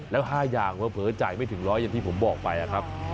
แล้ว๕อย่างเผลอจ่ายไม่ถึง๑๐๐อย่างที่ผมบอกไปนะครับ